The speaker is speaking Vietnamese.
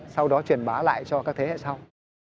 sau đó truyền bá lại cho các thế hệ sau